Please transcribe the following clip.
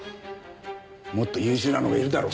もっと優秀なのがいるだろう